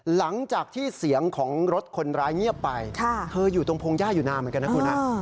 หลังจากที่เสียงของรถคนร้ายเงียบไปเธออยู่ตรงพงหญ้าอยู่นานเหมือนกันนะคุณฮะ